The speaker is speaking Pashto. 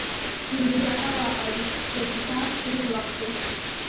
نو تیاره وه او د سټار ټریک وخت و